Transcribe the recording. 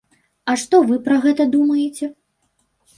А што вы пра гэта думаеце?